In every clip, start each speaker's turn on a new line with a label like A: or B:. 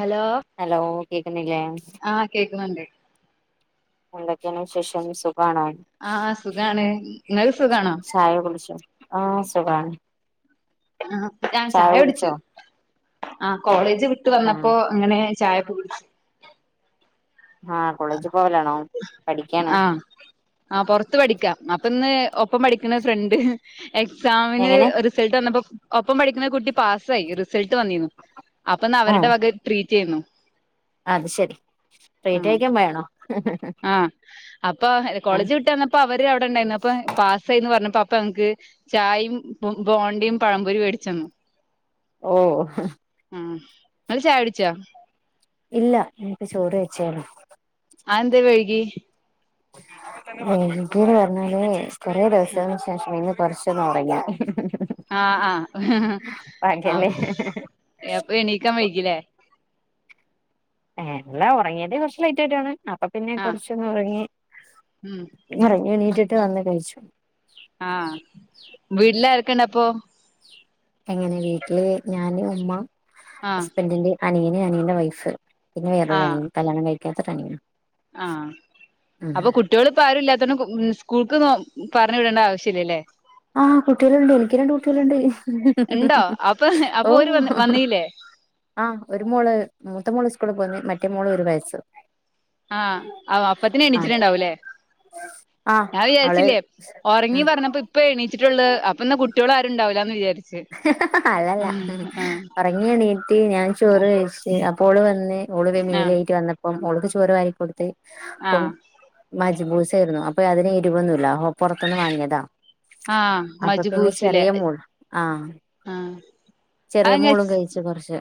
A: Hello
B: hello കേക്കുന്നില്ലേ?
A: [unintelligible]
B: എന്തൊക്കന് ശേഷം സു
A: ആഹ് സുഖാണ്. ഇങ്ങ സുഖാണോ?
B: ചായ കുടിച്ചോ ആഹ് സുഖാണ്.
A: ആ ഞാൻ ചായ പിടിച്ചു. ആഹ് കോളേജ് വിട്ട്
B: ആഹ്
A: വന്നപ്പോ അങ്ങനെ ചായ പടുച്ച
B: ആഹ് കൊളേജ് പോലാണോ പഠിക്കാണ്
A: ആഹ പൊറത്ത് പഠിക്ക അപ്പൊ ഇന്ന് ഒപ്പം പഠിക്കണ ഫ്രണ്ട് എക്സാമിന്
B: എങ്ങനെ
A: റിസൾട്ട് വന്നപ്പോ ഒപ്പം പഠിക്കുന്ന കുട്ടി പാസ്സായി റിസൾട്ട് വന്നിരുന്നു. അപ്പൊന്ന അവരുടെ
B: ആഹ്
A: വക ട്രീറ്റ് ചെയ്യുന്നു.
B: അത് ശെരി
A: ആഹ്
B: പ്രീറ്റേക്കും വേണോ.
A: ആഹ് അപ്പൊ കോളേജ് വിട്ട വന്നപ്പോ അവര് അവിടെ ഉണ്ടായിരുന്നു അപ്പൊ പാസ്സായിന്ന് പറഞ്ഞപ്പ ഇപ്പ എനിക്ക് ചായയും ബോണ്ടയും പഴംപൊരി മേടിച്ചന്നു.
B: ഓ
A: ആ ഇങ്ങള് ചാ വിടിച്ചാ
B: ഇല്ല എനിക്ക് ചൂട് വെച്ചോലോ.
A: ആ എന്തേ വഴകി?
B: എക്ക്ീട് പറഞ്ഞാല് കുറേ ദസംശേഷം ഇന്ന് കുറച്ചൊന്നും ഉറങ്ങ
A: ആഹ
B: ഭാഗ്യല്ലേ
A: ആഹ് ആപ്പ എണീക്കാൻ വഴിക്കില്ലേ
B: ല്ലാ ഉറങ്ങിയത കുറച്ച് ലൈറ്റ് ആട്ടാണ് അപ്പൊ പിന്നെ
A: ആഹ്
B: കൊറച്ചൊന്ന് ഉറങ്ങി
A: ഉം
B: ഇറങ്ങ കട്ടിട്ട് വന്ന് കഴിച്ചു
A: ക്കണ അപ്പൊ
B: എങ്ങനെ വീട്ടില് ഞാന്ും ഉമ്മ
A: ആഹ്
B: ഹസ്ബൻറിന്റെ അനിയനെ അനിയന്റെ വയസ്സ് പിന്നെേൊരുരാണെി കല്യാണം കഴി കത്ടങ്ങ
A: ആഹ അപ്പൊ കുട്ടികൾ ഇപ്പ ആരുില്ലാത്ത ഇ സ്കൂൾക്ക് പറഞ്ഞു വിടേണ്ട ആവശ്യ ഇല്ലല്ലേ
B: ആഹ കുട്ടികളുണ്ട് എനിക്ക് രണ്ട് കുട്ടികളണ്ട്
A: ഇണ്ടോ അപ്പൊ
B: ഓ
A: അപ്പൊ ഓര് വന്ന് വന്നീല്ലേ
B: ആഹ ഒരു മോള് പത്ത മോള് സ്കൂള് പോന്നി മറ്റേ മോള് ഒരു വയസ്സ്
A: ആഹ അപ്പത്തിന്
B: ആഹ്
A: എണിച്ചിട്ടുണ്ടാവൂല്ലേ
B: ആഹ്
A: ഞാൻ
B: അവള്
A: വിചാരിച്ചില്ലേ ഉറങ്ങി
B: ഉം
A: പറഞ്ഞപ്പ ഇപ്പ എണിച്ചിട്ടുള്ളത് അപ്പ കുട്ട മറ്റള ആരുണ്ടില്ല എന്ന് വിചാു
B: അല്ലല്ല ഉറങ്ങി എണീറ്റ്് ഞാൻ ചോറ് കഴിച്ച അപ്പോള് വന്ന് ഓള് മേൽ
A: ആഹ്
B: കറ്റ് വന്ന അപ്പം ഒളക്ക് ചോറ് വമായിരിക്ക കൊടുത്ത്
A: ആഹ്
B: ബൂസ ആായിരുന്നു അപ്പൊ അതിന് ഇരുവൊന്നുമല്ലഓൊ പുറത്തൊന്ന് വാങ്ങിയതാ
A: ആ മജ്ബൂസിലെ
B: ആ
A: ആഹ്
B: ചെറിയ
A: അതെങ്ങനെ
B: മോളും കഴിച്ച് കുറച്ച്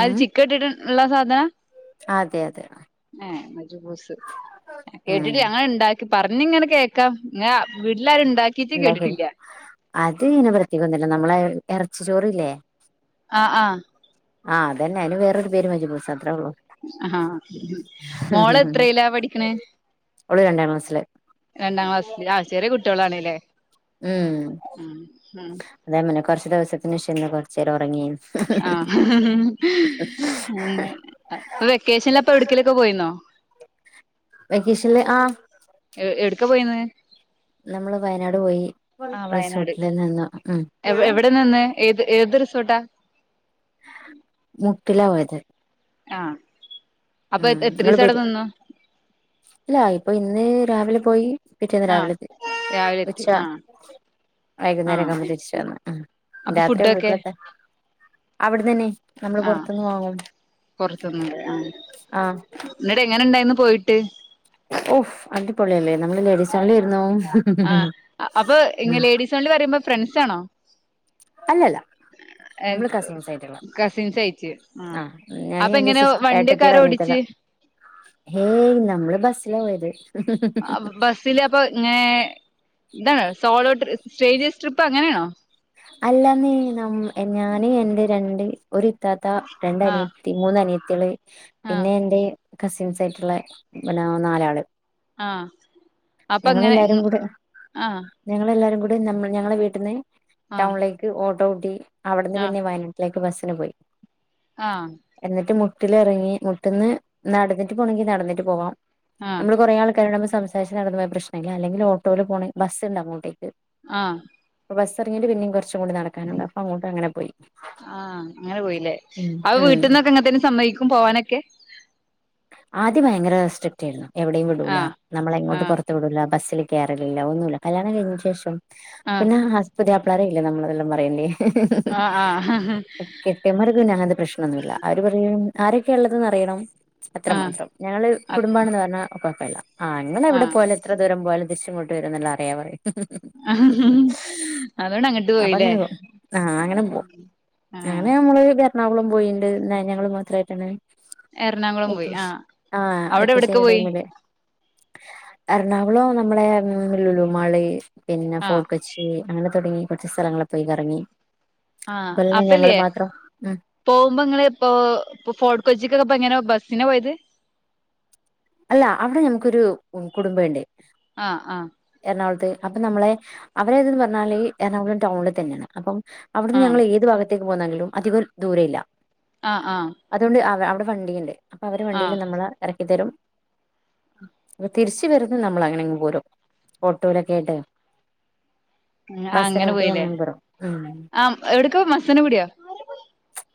A: അത്
B: ഉം
A: ചിക്കൻ ഇട്ടിട്ട് ഉള്ള സാധനാ
B: ആ അതെ അതെ
A: [inaudible] [inaudible]
B: ഉം
A: പറഞ്ഞിങ്ങനെ കേൾക്കാം
B: [inaudible] ഇറച്ചി ചോറില്ലേ
A: ആ ആ
B: ആ അതന്നെ അതിന് വേറൊരു പേര് മജ്ബൂസ്‌ അത്രേ ഉള്ളൂ
A: ആ മോള് എത്രല്ലാ പഠിക്കണേ
B: ഒള് രണ്ടാം ക്ലാസില്
A: രണ്ടാം ക്ലാസില് ആ ചെറിയ കുട്ടിയോളാണല്ലേ.
B: ഉം അതെ മനെ കുറച്ച് ദിവസ [unintelligible]
A: [unintelligible]
B: വെക്കേഷനില്ല് ആ
A: എ എടുക്കാ പോയിന്ന്
B: നമ്മള് വയനാട് പോയി
A: ആഹ് വയനാട്
B: റിസോർട്ടിൽ നിന്ന് ഉ
A: എവിടെ നിന്ന് ഏത് [unintelligible]
B: [unintelligible] [inaudible]
A: ആ
B: [unintelligible] പോയി
A: ആഹ് രാവിലെ എത്തി ആഹ് ആഹ് അപ്പൊ
B: [unintelligible]
A: ഫുഡൊക്കെ
B: അവിടെന്നന്നെ
A: ആ പുറത്തന്ന് ആ
B: ആഹ്
A: എനിട് എങ്ങനെ ഇണ്ടായിന്ന് പോയിട്ട്
B: ഓഫ് അടിപൊളിയല്ലേ നമ്മള് ലേഡീസ് ഒൺലി [inaudible]
A: ആ അപ്പൊ ഇങ്ങ ലേഡീസ് ഒൺലി പറയുമ്പോ ഫ്രണ്ട്സാണോ.
B: അല്ലല്ല നമ്മള് കസിൻസ് ആയിട്ടുള്ള
A: കസിൻസ് അയച്ച് ആ
B: ആഹ് ഞാന്
A: അപ്പൊ
B: എന്റെ
A: എങ്ങനെ
B: സിസ്
A: വണ്ടിയൊക്കെ ആാരോ ഓടിച്ച്
B: ഏയ് നമ്മള് ബസ്സില പോയത്
A: ബസ്സില അപ്പൊ ഇങ്ങ ഇന്താണ് സോളോ സ്രേഡിയഴസ് ട്രിപ്പ് അങ്ങനാണോ
B: അല്ലാ നീ ന ഞാന് എറെ രണ്ട് ഒരുരിത്താത്ത രണ്ട
A: ആഹ്
B: അനീത്തി മൂന്ന അ നീത്തി കളെ
A: ആഹ്
B: പിന്നെ എന്ത് കസിൻസ് ആയിട്ടുള്ള പിന്നെ നാലാള്
A: ആ
B: ഞങ്ങളെല്ലാരും കൂടെ ഞങ്ങളെല്ലാരും കൂടെ ഇവിടെമ്മ ഞങ്ങള വീട്ട നിന്ന്
A: ആഹ്
B: ടൗൺിലൈക്ക് ഓ ടൗടി. അവിടുന്ന്
A: ആഹ്
B: പിന്നെ വയനാട്ടിലേക്ക് ബസ് ത്തിന് പോയി.
A: ആഹ്
B: എന്നിട്ട് മു മുട്ടിലിറങ്ങി മുട്ടന്ന് നടന്നിട്ട് പോണമെങ്കിൽ നടന്നിട്ട് പോകാം.
A: ആഹ്
B: നമ്മള് കുറേ ആൾക്കാരു നമ്മ നടന്ന പോ പ്രശ്നമല്ലെങ്കിൽ ഓട്ടോ പോണങ്ക ബസ് ഉണ്ട് അങ്ങോട്ടേക്ക്
A: ആഹ്.
B: ബസ് ഇറങ്ങി പിന്നും കു
A: ആഹ് അങ്ങനെ പോയില്ലേ
B: ഉം
A: അവ
B: ഉം
A: വീട്ടന്നൊക്കെ എങ്ങനത്തേെ സമ്മവക്കും പോവാനൊക്കെ
B: ആദ്യം ഭയങ്കര സ്ട്രിക്ട് ആയിരുന്നു. എവിടെയും വിടൂല
A: ആഹ്
B: നമ്മളെങ്ങോട്ട്
A: ആഹ്
B: പുറത്ത് വിടൂല ബസ്. കേയറില്ല ഒന്നുമല്ല കല്യാണം കഴിഞ്ഞതിന് ശേഷം
A: ആഹ്
B: പിന്നെ ആസ്പത്രിപ്പളറയില്ലേ നമ്മളെല്ലാം പറയേണ്ടേ
A: ആഹ് ആഹ്
B: കെട്ടയന്മാർക്കന്നെ അങ്ങനത്തെ പ്രശ്നൊന്നുമില്ല അവര് പറയാ ആരൊക്കെ ഉള്ളത് ന്ന് അറിയണം.
A: ആഹ്
B: അത്രമാത്രം ഞങ്ങള്
A: അത്
B: കുടുംബാണെന്ന് പറഞ്ഞാൽ വള്ള. ഉം ഇങ്ങള് എവിടെ
A: ആഹ്
B: പോല എത്ര ദൂരം പോലും. തിരിച്ച് ഇങ്ങോട്ട് വരും എന്നുളള അറിയമ പറേ.
A: ആ അതുകൊണ്ട് അങ്ങോട്ട്
B: അപ്പൊ
A: പോയില്ലേ
B: അങ്ങനെ പോകും ആ
A: ആഹ്.
B: എണാവളും പോയിണ്ട് ഞങ്ങള് മാത്രമായിട്ടാണ്.
A: എറണാകുളം പോയി ആ
B: വെക്കേഷൻ ആ
A: അവിടെ എവിടക്ക്
B: വെക്കേഷൻ
A: പോയി.
B: ടൈമില് എറണാകുളം നമ്മളു ലുലു മാള്. പിന്നെ
A: ആഹ്
B: ഫോർട്ട് കൊച്ചി അങ്ങനെ തുടങ്ങി. കുറച്ച് സ്ഥലങ്ങളിൽ പോയി കറങ്ങി.
A: ആഹ്
B: അതുപോലെ തന്നെ
A: അപ്പല്ലേ
B: ഞങ്ങള് മാത്രം ഉം
A: പോകുമ്പോ ഇങ്ങ ഇപ്പോ ഇ ഫോർട്ട് കൊച്ചിക്ക്ൊക്ക എങ്ങനെ ബസ് സിന പോയത്.
B: അല്ല അവിടെ ഞങ്ങക്കൊരു കുടുംബ ഉണ്ടേ.
A: ആഹ് ആഹ്.
B: അപ്പൊ നമ്മളെ അവരേതന്ന് പറഞ്ഞാല് ഈ എറണാകുളം ടൗണിൽ തന്നെയാണ് അപ്പം. അവിടുന്ന്
A: ആഹ്
B: ഞങ്ങൾ ഏത് ഭാഗ അത്തേക്ക് പോന്നെങ്കിലും അധികം ദൂരെ ഇല്ല.
A: ആഹ് ആഹ്
B: അതുകൊണ്ട്. വിടെ വണ്ടി ഇണ്ട്. അപ്പൊ അവര്
A: ആഹ്
B: വണ്ടിും നമ്മള് തെരും അപ്പൊ തിരിച്ച് വരുന്നെ നമ്മള് അങ്ങനെയങ്ങ് പോരും ഓട്ടോലൊക്കെ ആയിട്ട്
A: അങ്ങനെ പോയില്ലേ
B: [unintelligible]
A: ആഹ് എവിടക്ക മസനഗുടിയോ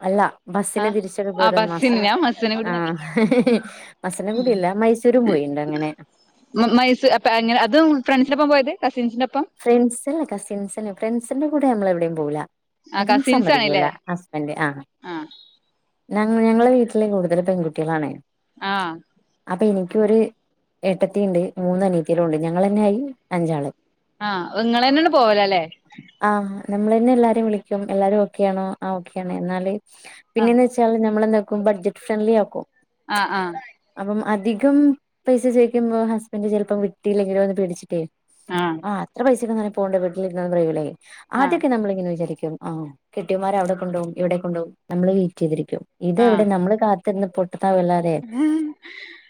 B: അല്ല ബസ്സിന്
A: ആഹ്
B: തിരിച്ച്
A: ആഹ്
B: പോരൂന്ന് മസന
A: ബസ്സിന് ഞാൻ മസനഗുടി
B: ആഹ് മസന ഗുടിയല്ല
A: [unintelligible] മ മൈസൂ അപ്പ എങ്ങ അതും ഫ്രണ്ട്സിനൊപ്പാ പോയത് കസിൻസിന്റെ ഒപ്പം
B: ഫ്രെണ്ട്സ് അല്ല കസിൻസെന്നെ ഫ്രണ്ട്സ് സിന്റെ കൂടെ നമ്മള് എവിടെയും പോവൂല്ല
A: ആ
B: അതും
A: കസിൻസ്
B: സമ്മതിക്കൂല്ല
A: ആണല്ലേ
B: ഹസ്ബൻഡ് ആഹ്
A: ആ
B: ഞ ഞങ്ങളെ വീട്ടില് കൂടുതൽ പെൺകുട്ടികളാണേ
A: ആഹ്
B: അപ്പൊ എനിക്ക് ഒരു എട്ടത്തിയുണ്ട് മൂന് അനീയത്തിയാളും ഉണ്ട് ഞങ്ങൾ തന്നെയ ആയി അഞ്ചാള്
A: ആഹ് നിങ്ങള് തന്നെയാണ് പോവലല്ലേ
B: നമ്മള് തെന്നെ എല്ലാരെയും വിളിക്കും എല്ലാരും ഓക്കെയണോ ആ ഓക്കെയാണ് എന്നാല്
A: ആ
B: പിന്നെന്ന് വെച്ചാല് നമ്മളെന്താ ക്കും ബഡ്ജറ്റ് ഫ്രണ്ട്ലി ആക്കും
A: ആഹ് ആഹ്
B: അപ്പം അധികം പൈസ ചോദിക്കുമ്പോ ഹസ്ബൻഡ് ചിലപ്പോം വിട്ടിയില്ലെങ്കിലോ എന്ന് പേടിച്ചിട്ടേ ആ അത്ര പൈസക്കന്നെ പോണ്ട വീട്ടിലിരുന്ന് എന്നാ പറയൂല്ലേ
A: ആ
B: ആദ്യഒക്കെ നമ്മള് ഇങ്ങനെ വിചാരിക്കും ആഹ് കെട്ടിയെൻമാർ അവിടെ കൊണ്ടുപോകും ഇവിടെ കൊണ്ടുപോവും നമ്മള് വെയിറ്റ് ചെയ്തിരിക്കും ഇത്
A: ആ ആ
B: എവിടെ നമ്മള് കാത്തിര്ന്ന് ഭർത്താവല്ലാതെ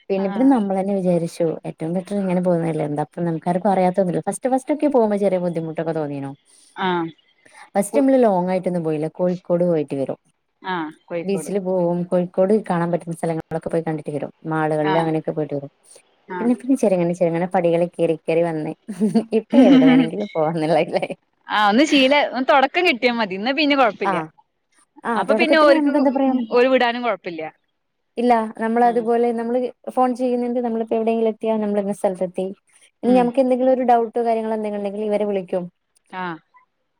B: പിന്നെപ്പിന്നെ നമ്മളെന്നെ വിചാരിച്ചു ഏറ്റവും ബെറ്റർ ഇങ്ങനെ പോകുന്നല്ലേ എന്ത ഇപ്പം നമുക്കർക്കും അറിയത്തൊന്നുമില്ല പസ് പസ്റ്റ് പസ്റ്റ് ഒക്കെ പോവുബെ ചെറിയ ബുദ്ധിമുട്ടൊക്കെ തോന്നിനു
A: ആ
B: ഫസ്റ്റ്പിന്നെ ലോങ്ങായി എന്നുംപോയില്ല കോഴിക്കോട് പോയിട്ടി വരും
A: ആ കോഴിക്കോട്
B: ബീച്ചില് പോവും കോഴി കോട് കാണാൻ പറ്റുന്ന സ്ഥലങ്ങളൊക്കെ പോയി കണ്ടിട്ട് വരും
A: ആ
B: മാളുകളില് അങ്ങനെയൊക്കെ പോയിട്ട് വരും
A: ആ
B: പിന്നെ പിന്നെ ചെറങ്ങനെ ചെറങ്ങനെ പടികള് കേറി കേറി വന്നേ
A: ആഹ് ഒന്ന് ശീലാ ഒ തൊടക്കം കിട്ടി കിയമത്ത് ഇന്ന് പിന്നെ കൊഴപ്പില്ല
B: ആഹ് ആഹ്
A: അപ്പൊ പിന്നെ
B: തുടക്കത്തിൽ
A: ഒരുക്ക്
B: നമുക്ക് എന്താ പറയാ
A: ഒരു വിടാനും കൊഴപ്പില്ല
B: ഇല്ല നമ്മള്
A: ആ
B: അതുപോലെ നമ്മള് ഫോൺ ചെയ്യുന്നുണ്ട് നമ്മളിപ്പോ എവിടെയെങ്കില എത്തിയാ നമ്മള സ്ഥലത്തെത്തി ഇനി
A: ഉം
B: നമുക്ക് എന്തെങ്കിലും ഒരു ഡൗട്ട് ട്ടോ കാര്യങ്ങള എന്തെ ഉണ്ടെങ്കിൽ ഇവരെ വിളിക്കും
A: ആഹ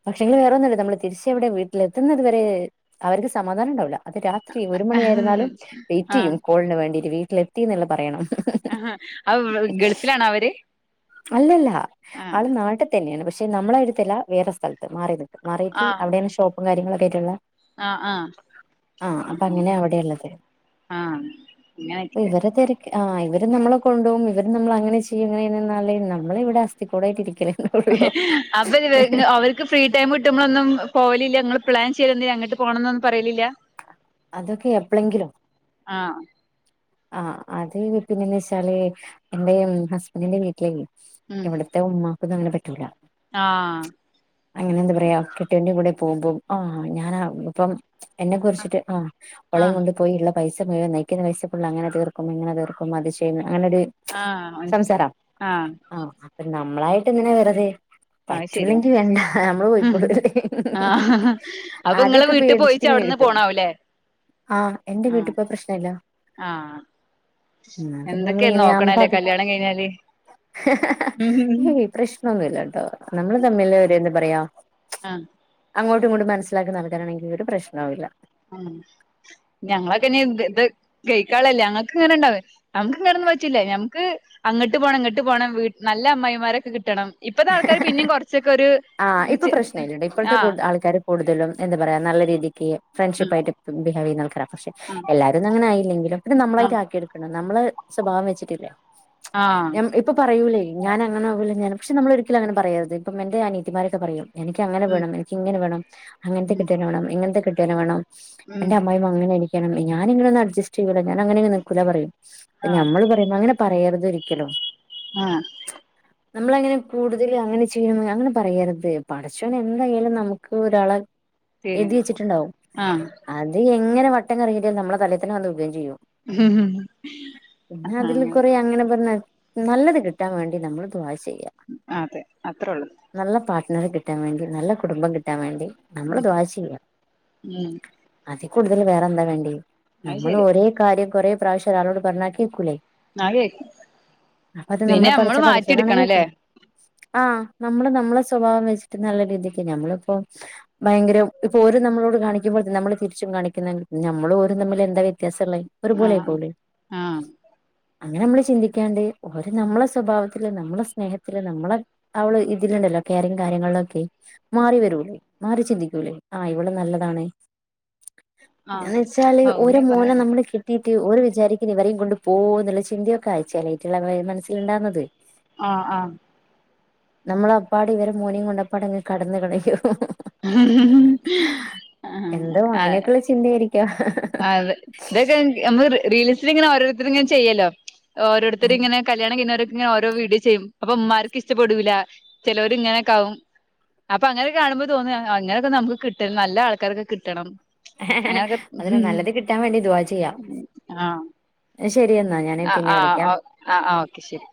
B: പക്ഷെങ്കില വേറെന്നുല്ല നമ്മ തിരിച്ചവിടെ വീ ട്ടില്എത്തുന്നത് വരെ അവർക്ക് സമാധാനം ഉണ്ടാവൂില്ല അത് രാത്രി ഒരു മണിയായിരുന്നാലും വെയിറ്റ്
A: ആ
B: ചെയ്യും കോളിന് വേണ്ടിട്ട് വീട്ട എത്തി ന്നുള്ളത് പറയണം
A: ആഹ ആ ഗൾഫിലാണോ അവര്
B: അല്ലല്ല
A: ആ
B: ആള് നാട്ടിൽ തന്നെയാണ് പ പക്ഷെ നമ്മളെ അടുത്തല്ല വേറെ സ്ഥലത്ത് മാറി നിക്കും മാറിയിട്ട്
A: ആ
B: അവിടെയണ്ഷോപ്പ് കാര്യങ്ങളൊക്ക ആയിട്ടുള്ള
A: ആ ആ
B: ആഹ അപ്പൊ അങ്ങനെയ
A: ആഹ്
B: അവിടെള്ളത്
A: അങ്ങനൊക്കെ
B: ഇവരെ തിരക്കിആ ഇവരെ ഇവര്നമ്മെ കൊണ്ട്പോകുംഇവര് നമ്മ അങ്ങനെ ചെയ്യുംങ്ങനചെയ്യുന്നല് നമ്മള ഇവിടെ അസ്ഥക്കൂട ആയിട്ട് ഇരിക്കേല്‌
A: അപ്പ അവർക്ക് ഫ്രീ ടൈം കിട്ടുമ്പോളൊന്നും പോവലില്ല ങ്ങള്പ്ലാൻ്ചെയ്ത് അങ്ങോട്ട് പോകണം എന്നൊന്നും പറയിലില്ല
B: അതൊക്കെ എപ്പളങ്കിലും
A: ആഹ
B: ആ അത് പിന്നെന്ന് വെച്ചാല് എന്റെ ഹസ്ബൻഡിന്റെ വീട്ടിലേ
A: ഉം
B: ഇവിടത്തെ ഉമ്മ അ
A: ആഹ്
B: [inaudible] അങ്ങനെ എന്താ പറയാ കിട്ട കൂടെ പോകുമ്പോം ആഹ് ഞാന ഇപ്പം [unintelligible] എന്നെ കുറിച്ചിട്ട് ആ് ഒളയും
A: ആഹ്
B: കൊണ്ട് പോയിള്ള പൈസ പോയ നയിക്കുന്ന പൈസ ഫൾ അങ്ങനെ തീർക്കുംങ്ങനെ തീർക്കും അത് ചെയ്യുന്ന അങ്ങനരു
A: ആഹ്
B: സംസാരം
A: ആഹ്
B: ആഹ അപ്പന്ത നമ്മളായിട്ട് എന്തിനാ വെറതെ
A: അത് ശരിയാ
B: പറ്റൂല്ലെങ്കി വേണ്ട നമ്മള് പോയിക്കൊടു
A: ആഹ് അപ്പൊ ഇങ്ങള്
B: ആദ്യൊക്കെ
A: വീട്ടി
B: പേദിച്ചിട്ട്
A: പോയിച്ച്
B: ഇങ്ങനെ
A: അവിടുന്ന്
B: ഇരിക്കും
A: പോണാവൂല്ലേ
B: ആഹ എന്റെ വീട്ടിൽപ്പ പ്രശ്നല്ല
A: ആഹ
B: എന്നാ പിന്നെ
A: എന്തൊക്കെയ
B: നമ്മളിങ്ങനെ
A: നോക്കണ
B: നമുക്ക്
A: അല്ലേ
B: അതി
A: കല്യാണം കഴിഞ്ഞാല്
B: ഏയ് പ്രശ്നൊന്നുല്ല ട്ടോ നമ്മള് തമ്മില് ഒരന്താ പറയാ
A: ആഹ
B: അങ്ങോട്ടും ഇങ്ങട്ടും മനസിലാക്കുന്ന ആൾക്കാറാണെങ്കിൽ ഒരു പ്രശ്നുല്ല ഒരു പ്രശ്നവില്ല
A: ഉ ഞങ്ങളൊക്കെനിത് കഴിക്കാനിള്ളല്ലേ ഞങ്ങൾക്ക് ഇങ്ങനണ്ടാവേ നമുക്ക് ഇങ്ങനൊന്നും പറ്റില്ല ഞമ്മക്ക് അങ്ങട്ട് പോണം ഇങ്ങട്ട് പോണം നല്ല അമ്മായിമാരൊക്കെ കിട്ടണം ഇപ്പഴത്തെ ആൾക്കാാര് പിന്നെയും കുറച്ചൊക്കെ ഒരു
B: ആഹ് ഇപ്പൊ പ്രശനില്ലണ്ട ഇപ്പോഴത്തെ ക
A: ആഹ്
B: [unintelligible] ആൾക്കാരും കൂടുതലും എന്താ പറയാ നല്ല രീതിക്ക്
A: ആഹ്
B: ഫ്രണ്ട്ഷിപ്പായിട്ട് ബിഹേവ് ചെയ്യ്ന്ന ആൾക്കാരാ പക്ഷെ എല്ലാരും ഒന്നും അങ്ങനായില്ലെങ്കിലും പിന്ന
A: ആഹ്
B: നമ്മളായിട്ട്
A: ആഹ്
B: ആാക്കിയെടുക്കണം നമ്മള് സ്വഭാവം വെച്ചിട്ടില്ലേ
A: ആഹ്
B: ഞം [unintelligible] ഇപ്പൊ പറയൂലേ ഞാനങ്ങനെ ആകൂല്ല ഞൻ പക്ഷ നമ്മള് ഒരിക്കലും അങ്ങന പറയരുത് ഇപ്പ എന്റെ അന ക [unintelligible] ത്തിമാരൊക്കെ പറയും എനിക്ക് അങ്ങനെ
A: ഉം
B: വേണം എനിക്ക് ഇങ്ങനെ വേണം അങ്ങനത്തെ
A: ഉം
B: കെട്ടിയോനേവണം ഇങ്ങനത്തെ കിട്ട കന [unintelligible] വേണം
A: ഉം
B: എന്റെ അമ്മായിമ്മങ്ങനാണ് ണം [unintelligible] ഞാനി ങ്ങന ഒന്ന് അഡ്ജസ്റ്റ് ചെയ്യൂല്ല ഞാനങ്ങെങ്നെ നിക്കൂന്ന പറയൂ
A: ആഹ്
B: നഞമ്മള് പറയുമ്പോ അങ്ങനെ പറയര് ഒരി [unintelligible] ക്കലോ
A: ആഹ
B: നമ്മള അങ്ങനെ കൂടുതല അങ്ങനെ ചെയ്യണോ അങ്ങന പറയരുത് പടച്ചോന് എന്തായാലും നമുക്ക് ഒരാളെ
A: ശരി
B: എഴ്തി വെച്ചിട്ടുണ്ടാവും
A: ആഹ്
B: അത് ഇങ്ങന വട്ടം കറങ്ങയിട്ട് നമ്മള തലേതന്നെ വന്ന് വീയേയും ചെയ്യും പിന്നെ അതില് കൊറെ അങ്ങനെ പറഞ്ഞ നല്ലത് കിട്ടാൻ വേണ്ടി നമ്മള് ദുആ ചെയ്യാ
A: അതെ അത്രളളു
B: നല്ല പാർട്ട്നർ കിട്ടാൻ വേണ്ടി നല്ല കുടുംബം കിട്ടാൻ വേണ്ടി നമ്മള് ദുഅ ചെയ്യ
A: ഉം
B: കൂടുതൽ വറെന്താ വേണ്ടിയ
A: അത്
B: നമ്മള്
A: ശരി
B: ഒരേ കാര്യം കൊറേ പ്രാവശ്യം ഒരാളൊട് പറഞ്ഞാൽ കേൾക്കുലല്ലോ
A: ആ കേക്കും പിന്നെ
B: നമ്മളെ
A: നമ്മള് മാറ്റി എടുക്കണല്ലേ
B: ആ നമ്മള് നമ്മെ സ്വഭാവം വെച്ചിട്ട് നല്ല രീതിക്ക്ണ് നമ്മളിപ്പോ ഭയങ്കര ഇപ്പൊ ഒര് നമ്മളോട് കാണിക്കുമ്പോ നമ്മള് തിരിച്ചും കാണിക്കുന്നുണ്ടെൽ നമ്മൾ രും തമ്മിൽെ എന്താ വി ത്യാസ ല്ല ത് ഒരുപോലെ
A: ആഹ്
B: ആയിപ്പോവില്ലേ
A: ആഹ്
B: അങ്ങനെ നമ്മള് ചിന്തിക്കാണ്ട് ഒരു നമ്മളെ സ്വഭാവത്തില് നമ്മളെ സ്നേഹത്തില് നമ്മളെ അവള് ഇതിലുണ്ടല്ലോ കയറിംഗ് കാര്യങ്ങളിലൊക്കെ മാറി വരൂല്ലേ മാറി ചിന്തിക്കൂല്ലേ ആ ഇവൾ നല്ലതാണ്.
A: ആഹ്
B: പിന്നെന്ന് വെച്ചാല് ഒരെ മോനെ നമ്മള് കെട്ടി ഒൽ വിചാരിക്കും ഇവരേ കൊണ്ട് പോ എന്നുള്ള ചിന്തയൊക്കെ ച്ചെലേറ്റേളേ മനസ്സിലുണ്ടാകുന്നത്
A: ആ. ആ
B: നമ്മള അപ്പാട് ഇവരെ മോനും കൊണ്ടപ്പാടങ്ങ് കടന്ന് കളയോ
A: ആ
B: എന്തോ
A: ആ
B: അങ്ങനെയൊക്കെയുള്ള ചിന്തയായിരിക്കാം
A: അ അതെ [unintelligible] റീൽസിൽ ഇങ്ങനെ ഓരോരുത്തർ ഇങ്ങനെ ചെയ്യല്ലോ ഒരൊരുത്തർ ഇങ്ങന കല്യാണം കഴിഞ്ഞൊ ഇങ്ങനെ ഓരോ വീഡിയോ ചെയ്യും അപ്പൊ ഉമമാർക്ക് ഇഷ്ടപ്പെടൂില്ല ചിലവർ ഇങ്ങനെൊക്ക ആാവും അപ്പൊ അങ്ങനൊക്കെ കാണുമ്പോ തോന്നിയ അങ്ങനെയൊക്കെ നമുക്ക് കിട്ട നല്ല ആൾക്കാരൊക്കെ കിട്ടണം
B: ഹിഹിഹി
A: അങ്ങനൊക്കെ
B: അതിന് നല്ലത് കിട്ടാൻ വേണ്ടി ദുഅ ചെയ്യ
A: ഉ ആ ആ ആ ആ് ഓക്കെ ശരി